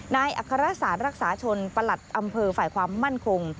อัครศาสตร์รักษาชนประหลัดอำเภอฝ่ายความมั่นคง